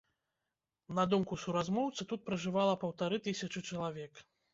На думку суразмоўцы, тут пражывала паўтары тысячы чалавек.